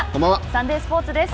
サンデースポーツです。